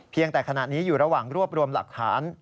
แต่ขณะนี้อยู่ระหว่างรวบรวมหลักฐาน